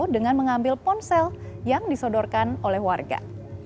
dengan mengambil ponsel yang disodorkan oleh warga